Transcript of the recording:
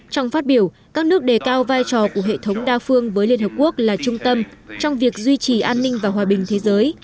trong phát biểu các nước đề cao vai trò của hệ thống đa phương với liên hợp quốc là trung tâm trong việc duy trì an ninh và hòa bình thế giới